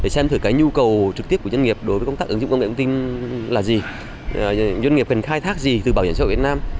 xem thử cái nhu cầu trực tiếp của doanh nghiệp đối với công tác ứng dụng công nghệ thông tin là gì doanh nghiệp cần khai thác gì từ bảo hiểm xã hội việt nam